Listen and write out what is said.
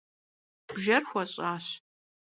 Bjjer xueş'aş.